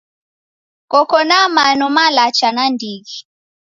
Koko na mano malacha nandighi.